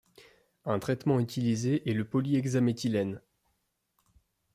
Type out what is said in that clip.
Un traitement utilisé est le Polyhexaméthylène.